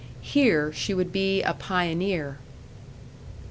Here she would be a pioneer.